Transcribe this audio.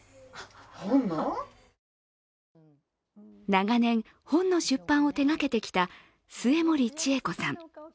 長年、本の出版を手がけてきた末盛千枝子さん。